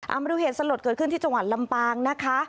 เอามาดูเหตุสลดเกิดขึ้นที่จังหวัดลำปางนะคะ